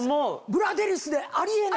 ブラデリスであり得ない！